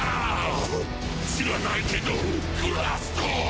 知らなイけどクラスト！